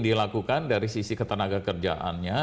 dilakukan dari sisi ketenaga kerjaannya